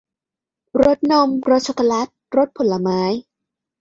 รสนม รสช็อกโกแลต รสผลไม้